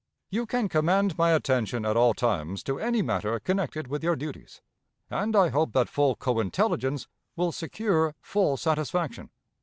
"You can command my attention at all times to any matter connected with your duties, and I hope that full co intelligence will secure full satisfaction.